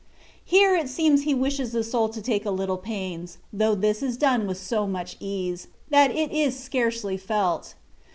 Here it seems He wishes the soul to take a little pains, though this is done with so much ease, that it is scarcely felt.